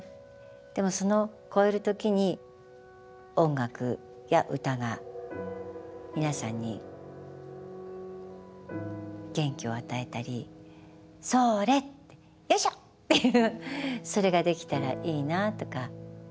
でもその越える時に音楽や歌が皆さんに元気を与えたり「それ！よいしょ！」っていうそれができたらいいなとか。